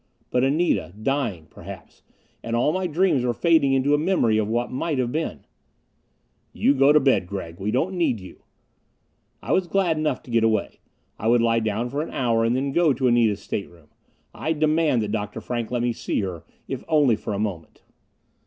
But Anita dying, perhaps; and all my dreams were fading into a memory of what might have been. "You go to bed, Gregg we don't need you." I was glad enough to get away. I would lie down for an hour, and then go to Anita's stateroom. I'd demand that Dr. Frank let me see her, if only for a moment.